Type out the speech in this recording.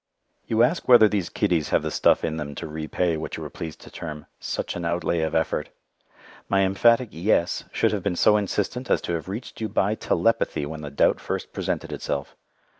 You ask whether these kiddies have the stuff in them to repay what you are pleased to term "such an outlay of effort." My emphatic "yes" should have been so insistent as to have reached you by telepathy when the doubt first presented itself.